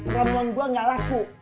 ramuan gue gak laku